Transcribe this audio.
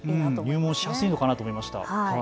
利用しやすいのかなと思いました。